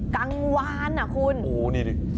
กังวานอ่ะคุณ